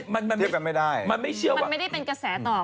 มันไม่ได้เป็นกระแสต่อไปถึงอะไร